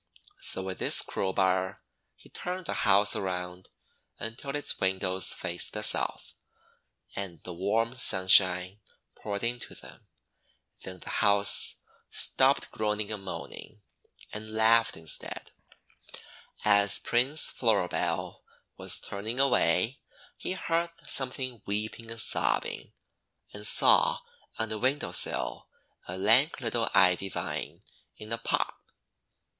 So with his crowbar he turned the House around until its windows faced the South and the warm sunshine poured into them. Then the House stopped groaning and moaning, and laughed instead. As Prince Floribel was turning away, he heard something weeping and sobbing, and saw on a window sill a lank little Ivy vine in a pot.